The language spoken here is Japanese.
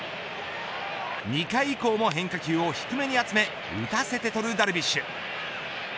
２回以降も変化球を低めに集め打たせて取るダルビッシュ。